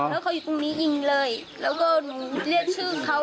แล้วเขาอยู่กรุงนี้ยิงเลยเราก็เรียกชื่อเขา